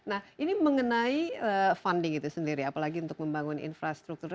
nah ini mengenai funding itu sendiri apalagi untuk membangun infrastruktur